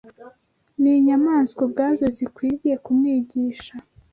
N’inyamaswa ubwazo zikwiriye kumwigisha